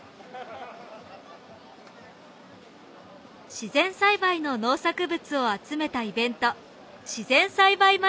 自然栽培の農作物を集めたイベント